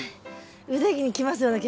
腕にきますよね